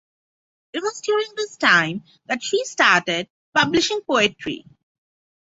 It was during this time that she first started publishing poetry.